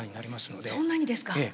そんなにですか⁉ええ。